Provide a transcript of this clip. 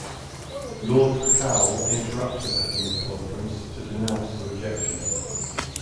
Lord Crickhowell interrupted that news conference to denounce the rejection.